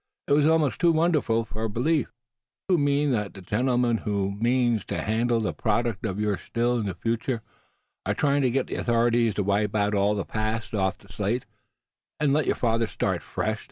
It was almost too wonderful for belief. "Do you mean that the gentlemen who mean to handle the product of your Still in the future are trying to get the authorities to wipe all the past off the slate, and let your father start fresh?"